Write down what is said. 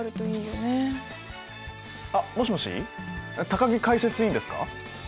あっもしもし高木解説委員ですか？